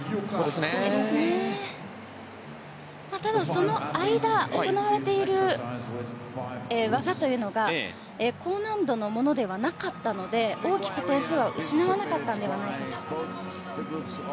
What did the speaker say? その間に行われている技というのが高難度のものではなかったので大きく点数を失わなかったのではないかと。